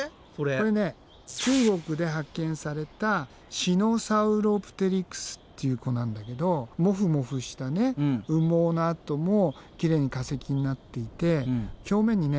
これね中国で発見されたシノサウロプテリクスっていう子なんだけどモフモフした羽毛のあともきれいに化石になっていて表面にね